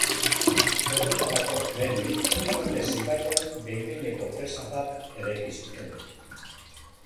Horretarako, lehenik, Eufrates ibaian behin-behineko presa bat eraiki zuten.